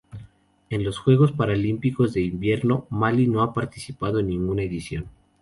En los Juegos Paralímpicos de Invierno Malí no ha participado en ninguna edición.